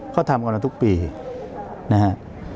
เขาทำกันมาทุกปีนะฮะ